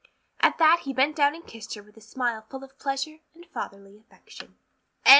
At that he bent down and kissed her with a smile full of pleasure and fatherly affection.